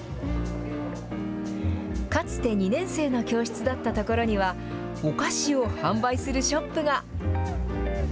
かつて２年生の教室だった所には、お菓子を販売するショップが。